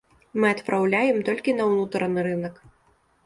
Мы адпраўляем толькі на ўнутраны рынак.